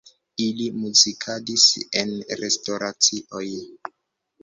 Ili muzikadis en restoracioj.